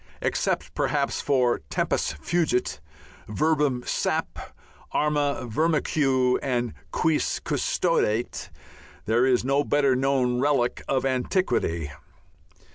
Except perhaps for "Tempus fugit," "verbum sap.," "Arma virumque," and "Quis custodiet," there is no better known relic of antiquity.